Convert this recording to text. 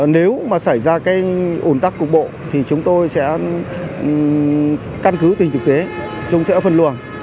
nếu mà xảy ra cái ôn tắc cục bộ thì chúng tôi sẽ căn cứ tình thực tế chung chữa phân luồng